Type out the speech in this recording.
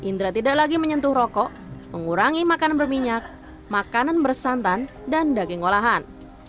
indra tidak lagi menyentuh rokok mengurangi makanan berminyak makanan bersantan dan daging olahan